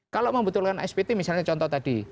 kalau membutuhkan spt misalnya contoh tadi